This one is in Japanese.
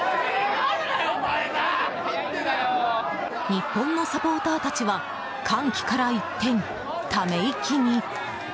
日本のサポーターたちは歓喜から一転、ため息に。